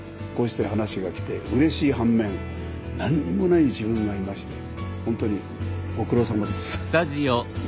こうして話が来てうれしい反面何にもない自分がいましてほんとにご苦労さまです。